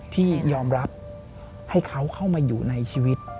ที่ยอมรับให้เขาเข้ามาอยู่ในชีวิต